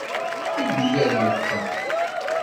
Bibb-iyi ar mekka.